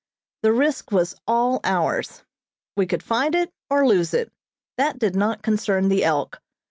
The risk was all ours. We could find it or lose it that did not concern the "Elk."